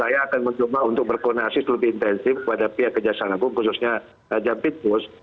saya akan mencoba untuk berkonversi lebih intensif kepada pihak kejaksanaan agung khususnya jam pitmus